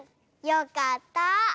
よかった。